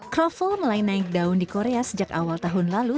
kroffel mulai naik daun di korea sejak awal tahun lalu